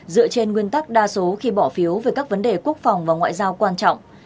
dựa trên nguyên tắc đa số khi bỏ phiếu về các vấn đề quốc phòng và ngoại giao quan trọng